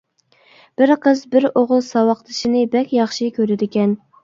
بىر قىز بىر ئوغۇل ساۋاقدىشىنى بەك ياخشى كۆرىدىكەن.